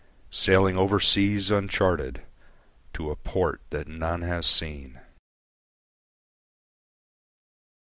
Sailing over seas uncharted to a port that none has seen.